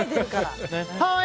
はい！